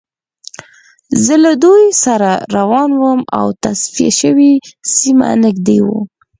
زه له دوی سره روان وم او تصفیه شوې سیمه نږدې وه